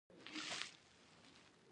خلکو به له دغو کیسو الهام اخیست.